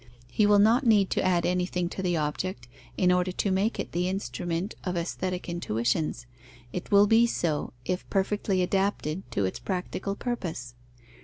He will not need to add anything to the object, in order to make it the instrument of aesthetic intuitions: it will be so, if perfectly adapted to its practical purpose.